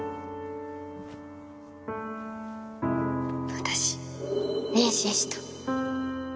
私妊娠した